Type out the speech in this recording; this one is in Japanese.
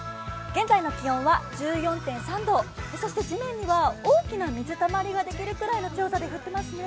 現在の気温は１４．３度、そして地面には大きな水たまりができるぐらいですね。